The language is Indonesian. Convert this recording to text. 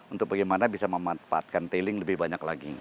untuk bagaimana bisa memanfaatkan tailing lebih banyak lagi